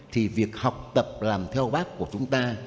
thì việc học tập làm theo bác của chúng ta